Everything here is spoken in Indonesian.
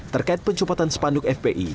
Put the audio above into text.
terkait pencopotan spanduk fpi